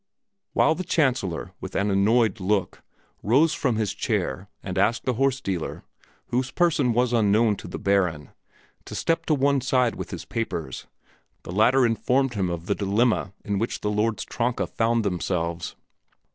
While the Chancellor, with an annoyed look, rose from his chair and asked the horse dealer, whose person was unknown to the Baron, to step to one side with his papers, the latter informed him of the dilemma in which the lords Tronka found themselves.